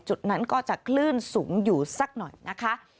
จุดนั้นก็จะคลื่นสูงอยู่สักหน่อยนะคะ